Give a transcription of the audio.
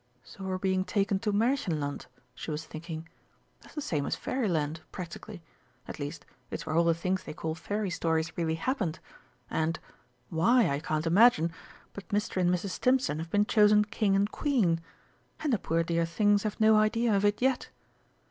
"So we're being taken to Märchenland," she was thinking. "That's the same as Fairyland, practically. At least it's where all the things they call Fairy stories really happened, and why I can't imagine but Mr. and Mrs. Stimpson have been chosen King and Queen! And the poor dear things have no idea of it yet!